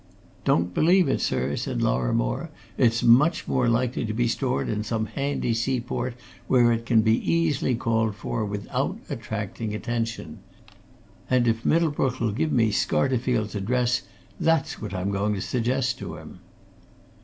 "Don't believe it, sir!" said Lorrimore. "It's much more likely to be stored in some handy seaport where it can be easily called for without attracting attention. And if Middlebrook'll give me Scarterfield's address that's what I'm going to suggest to him."